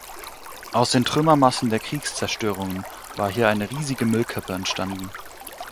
Aus den Trümmermassen der Kriegszerstörungen war hier eine riesige Müllkippe entstanden.